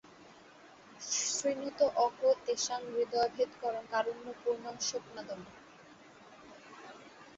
শৃণুত অহো তেষাং হৃদয়ভেদকরং কারুণ্যপূর্ণং শোকনাদম্।